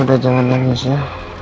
udah jangan nangis ya